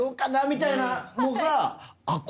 みたいなのがあっ。